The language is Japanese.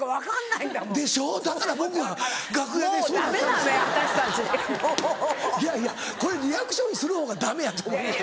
いやいやこれリアクションするほうがダメやと思います。